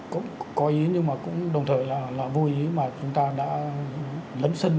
cũng có ý nhưng mà cũng đồng thời là vô ý mà chúng ta đã